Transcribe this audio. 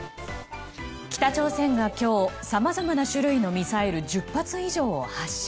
北朝鮮が今日さまざまな種類のミサイル１０発以上を発射。